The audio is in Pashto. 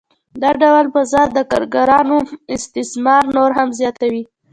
دا ډول مزد د کارګرانو استثمار نور هم زیاتوي